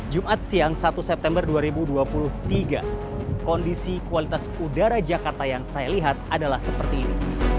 jumat siang satu september dua ribu dua puluh tiga kondisi kualitas udara jakarta yang saya lihat adalah seperti ini